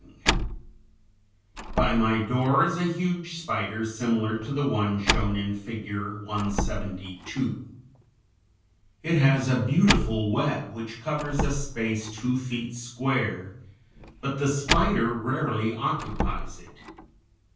Biting mandibles of a spider.] By my door is a huge spider similar to the one shown in Figure 172. It has a beautiful web which covers a space two feet square, but the spider rarely occupies it.